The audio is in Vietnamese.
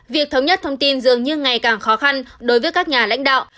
việc thống nhất thông tin dường như ngày càng khó khăn đối với các nhà lãnh đạo